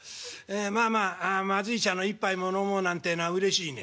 まあまあまずい茶の一杯も飲もうなんてえのはうれしいね。